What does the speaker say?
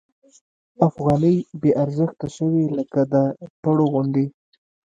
افغانۍ بې ارزښته شوې لکه د پړو غوندې.